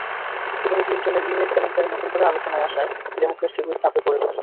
Hillary ক্লিনটনের email কেলেঙ্কারি নতুন করে আলোচনায় আসায় ডেমোক্র্যাট শিবির চাপে পড়ে গেছে।